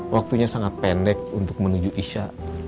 waktunya sangat pendek untuk menuju isya